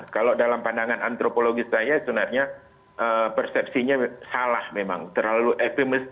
kalau dalam pandangan antropologis